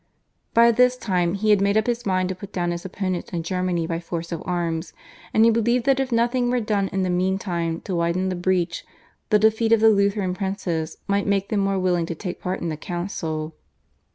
By this time he had made up his mind to put down his opponents in Germany by force of arms, and he believed that if nothing were done in the meantime to widen the breach the defeat of the Lutheran princes might make them more willing to take part in the council.